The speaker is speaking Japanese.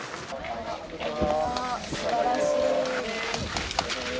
すばらしい。